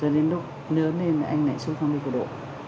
rồi đến lúc lớn thì anh lại xuất phong đi phụ độ